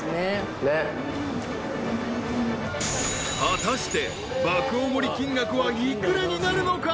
［果たして爆おごり金額は幾らになるのか？］